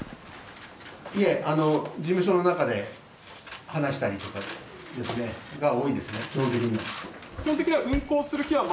いえ、事務所の中で話したりとかが多いですね、基本的には。